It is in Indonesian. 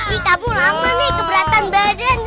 ih kamu lama nih keberatan badan